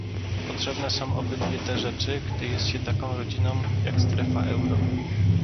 Potrzebne są obydwie te rzeczy, gdy jest się taką rodziną jak strefa euro